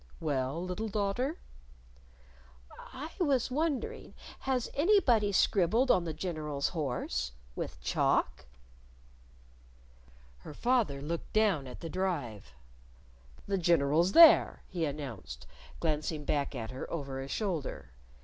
"Well, little daughter?" "I was wondering has anybody scribbled on the General's horse? with chalk?" Her father looked down at the Drive. "The General's there!" he announced, glancing back at her over a shoulder.